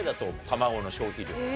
卵の消費量。